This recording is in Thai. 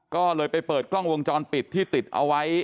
ก็เลยไปเปิดกล้องวงจรปิดที่ติดเอาไว้